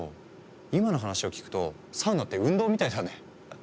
今の話を聞くとサウナって運動みたいだね。